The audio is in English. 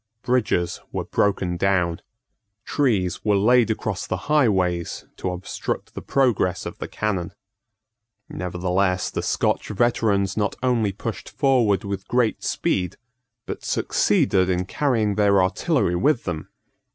Bridges were broken down. Trees were laid across the highways to obstruct the progress of the cannon. Nevertheless the Scotch veterans not only pushed forward with great speed, but succeeded in carrying their artillery with them.